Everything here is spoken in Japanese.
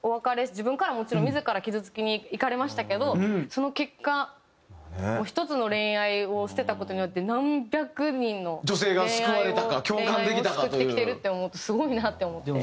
自分からもちろん自ら傷つきにいかれましたけどその結果１つの恋愛を捨てた事によって何百人の恋愛を救ってきてるって思うとすごいなって思って。